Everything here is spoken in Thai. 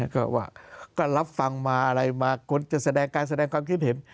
ก็ว่าก็รับฟังมาอะไรมากควรจะแสดงการแสดงความคิดเห็น